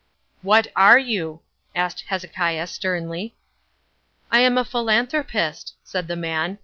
"What are you?" asked Hezekiah sternly. "I am a philanthropist," said the man.